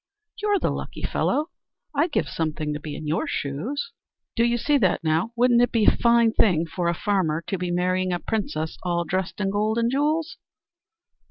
"You're the lucky fellow. I'd give something to be in your shoes." "Do you see that now! Wouldn't it be a fine thing for a farmer to be marrying a princess, all dressed in gold and jewels?"